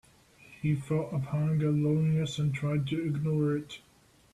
He felt a pang of loneliness and tried to ignore it.